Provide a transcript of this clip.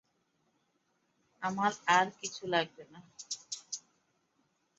আমার আর কিছু লাগবে না।